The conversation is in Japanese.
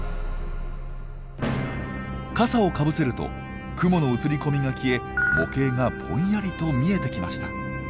傘をかぶせると雲の映り込みが消え模型がぼんやりと見えてきました。